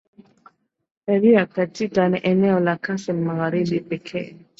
heria katika eneo la kasem magharibi pekee